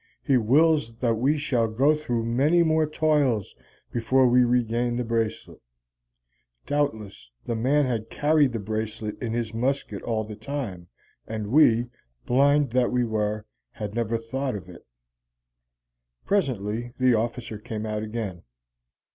He wills that we shall go through many more toils before we regain the bracelet.' Doubtless the man had carried the bracelet in his musket all the time, and we, blind that we were, had never thought of it. "Presently the officer came out again.